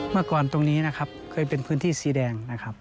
เมื่อก่อนตรงนี้นะครับเคยเป็นพื้นที่สีแดงนะครับ